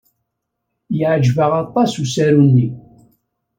Yeɛjeb-aɣ aṭas usaru-nni.